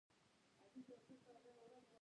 پیرودونکو د دواړو تولیدونکو توکي یو شان پیرل.